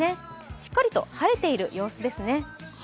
しっかりと晴れている様子ですね。